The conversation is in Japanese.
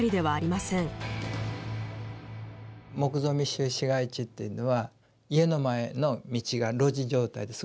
木造密集市街地というのは家の前の道が路地状態ですごい狭い。